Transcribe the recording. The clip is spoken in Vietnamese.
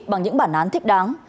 bằng những bản án thích đáng